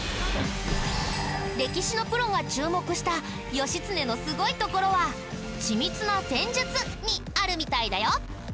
歴史のプロが注目した義経のすごいところは緻密な戦術にあるみたいだよ。